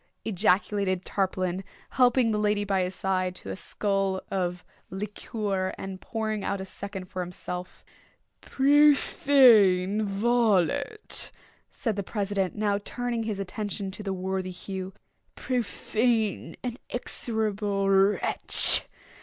ejaculated Tarpaulin, helping the lady by his side to a skull of liqueur, and pouring out a second for himself. "Profane varlet!" said the president, now turning his attention to the worthy Hugh, "profane and execrable wretch!